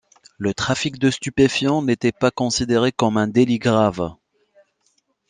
Le trafic de stupéfiants n'était pas considéré comme un délit grave.